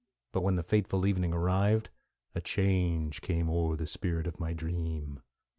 But when the fateful evening arrived a "change came o'er the spirit of my dream."